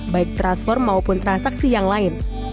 baik transfer maupun transaksi yang lain